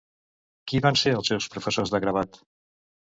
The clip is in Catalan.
Qui van ser els seus professors de gravat?